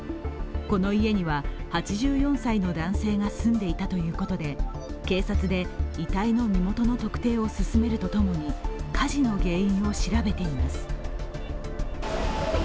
この家には、８４歳の男性が住んでいたということで、警察で遺体の身元の特定を進めると共に火事の原因を調べています。